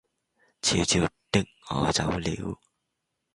悄悄的我走了